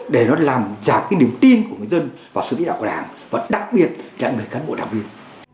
để nó làm giảm cái niềm tin của người dân vào sự lãnh đạo của đảng và đặc biệt là người cán bộ đảng viên